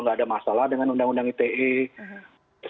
nggak ada masalah dengan undang undang ite